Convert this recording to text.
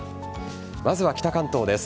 まずは北関東です。